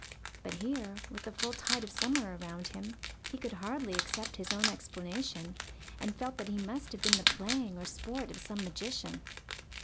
But here, with the full tide of summer around him, he could hardly accept his own explanation, and felt that he must have been the plaything or sport of some magician.